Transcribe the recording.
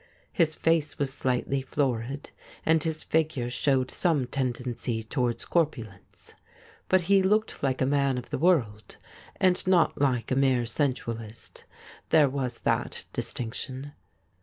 His face was slightly florid, and his figure showed some tendency to wards corpulence. But he looked like a man of the world, and not like a mere sensualist — there was that distinction.